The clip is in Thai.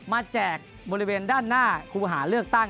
แจกบริเวณด้านหน้าครูหาเลือกตั้ง